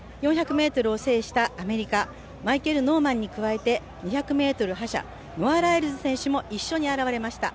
４００ｍを制したアメリカ、マイケル・ノーマンに加えて２００ｍ覇者、ノア・ライルズ選手も一緒に現れました。